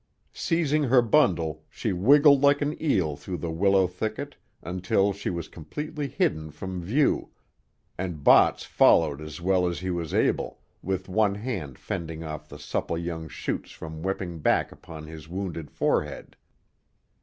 Seizing her bundle, she wiggled like an eel through the willow thicket until she was completely hidden from view, and Botts followed as well as he was able, with one hand fending off the supple young shoots from whipping back upon his wounded forehead.